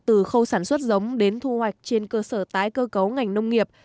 từ khâu sản xuất giống đến thu hoạch trên cơ sở tái cơ cấu ngành nông nghiệp